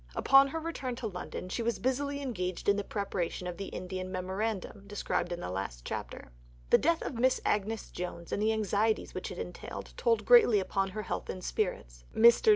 Upon her return to London she was busily engaged in the preparation of the Indian "Memorandum" described in the last chapter. The death of Miss Agnes Jones and the anxieties which it entailed (chap. i.) told greatly upon her health and spirits. Mr.